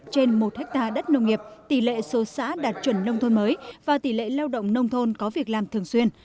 trên một hectare đất nông nghiệp tỷ lệ số xã đạt chuẩn nông thôn mới và tỷ lệ lao động nông thôn có việc làm thường xuyên